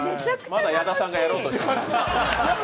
まだ、矢田さんがやろうとしてます。